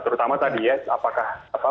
terutama tadi ya apakah